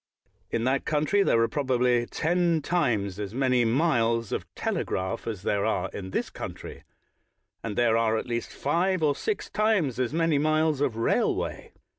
In that country there are probably ten times as many miles of tele graph as there are in this country, and there are at least five or six times as many miles of railway.